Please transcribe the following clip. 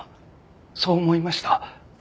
そう思いました。